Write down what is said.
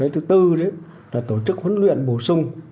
thứ tư là tổ chức huấn luyện bổ sung